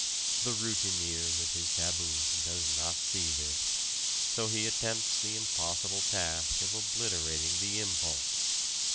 The routineer with his taboo does not see this, so he attempts the impossible task of obliterating the impulse.